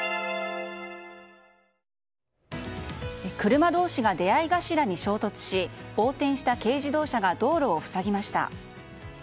車同士が出合い頭に衝突し横転した軽自動車が道路を塞ぎました。